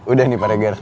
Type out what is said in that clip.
udah nih pak regar